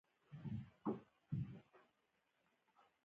د کنټرول لپاره یې پر قبایلي مشرانو تکیه کوله.